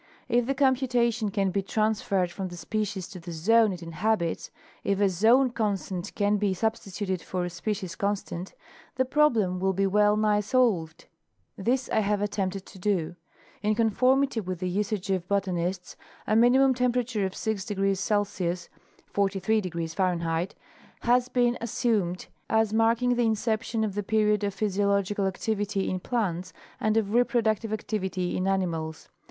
If the computation can be transferred from the species to the zone it inhabits—if a zone constant can be substituted for a species constant—the problem will be well nigh solved. This I have attempted to do. In conformity with the usage of bota nists, a Minimum temperature of 6° C. (48° F.) has been as sumed as marking the inception of the period of physiolggical activity in plants and of reproductive activity in animals.